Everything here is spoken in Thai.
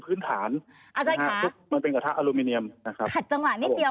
อาจารย์ค่ะมันเป็นกระทะอลูมิเนียมนะครับขัดจังหวะนิดเดียว